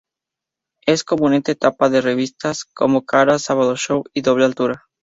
Es comúnmente tapa de revistas como "Caras, Sábado Show y Doble Altura".